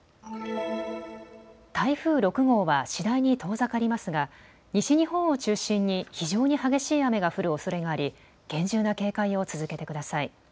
台風６号は次第に遠ざかりますが西日本を中心に非常に激しい雨が降るおそれがあり厳重な警戒を続けてください。